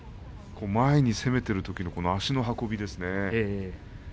前に攻めているときの足の運びですね。